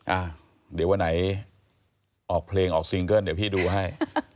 อ่ะเดี๋ยววันไหนออกเพลงออกซิงเกิ้ลเดี๋ยวพี่ดูให้